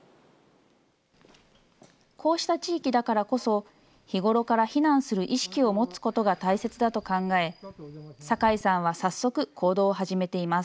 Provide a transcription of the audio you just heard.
こうした地域だからこそ、日頃から避難する意識を持つことが大切だと考え、酒井さんは早速、行動を始めています。